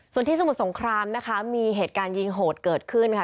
ส่วนที่สมุทรสงครามนะคะมีเหตุการณ์ยิงโหดเกิดขึ้นค่ะ